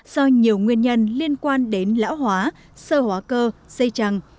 do nhiều nguyên nhân liên quan đến lão hóa sơ hóa cơ dây chẳng